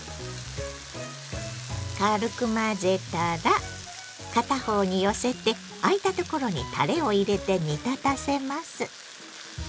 軽く混ぜたら片方に寄せてあいたところにたれを入れて煮立たせます。